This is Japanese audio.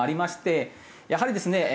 やはりですね